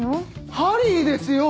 『ハリー』ですよ。